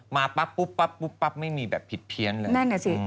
มาปั๊บปุ๊บปั๊บปุ๊บปั๊บไม่มีแบบผิดเพี้ยนเลยนั่นอ่ะสิ